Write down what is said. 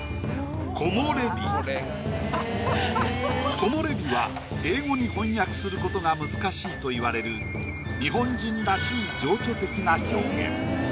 「木漏れ日」は英語に翻訳することが難しいといわれる日本人らしい情緒的な表現。